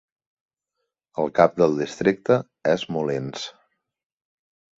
El cap del districte és Moulins.